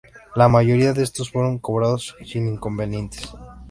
La mayoría de estos fueron cobrados sin inconvenientes.